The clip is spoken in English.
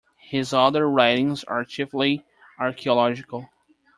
His other writings are chiefly archaeological.